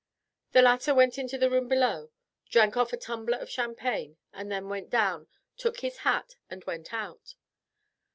The latter went into the room below, drank off a tumbler of champagne, and then went down, took his hat, and went out.